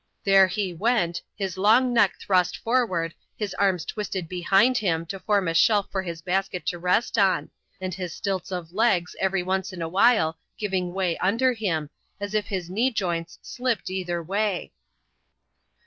There be went— kis long neck thrust forward, his arms twisted behind him to form a shelf for his basket to rest on ; and his stilts of legs ^very once in a while gmng "Vf Tvy \xTidsc hini) as if his knee joints sUpped either way.